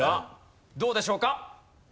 どうでしょうか？